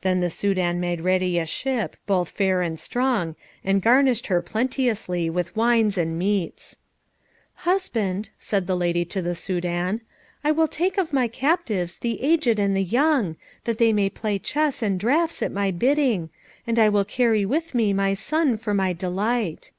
Then the Soudan made ready a ship, both fair and strong, and garnished her plenteously with wines and meats. "Husband," said the lady to the Soudan, "I will take of my captives the aged and the young, that they may play chess and draughts at my bidding, and I will carry with me my son for my delight."